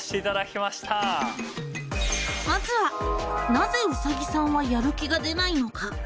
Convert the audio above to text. まずは「なぜうさぎさんはやる気が出ないのか？」。